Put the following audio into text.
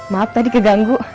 maaf tadi keganggu